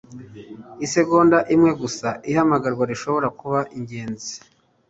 Isegonda imwe gusa. Ihamagarwa rishobora kuba ingenzi.